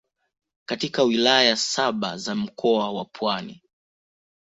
katika Wilaya saba za Mkoa wa Pwani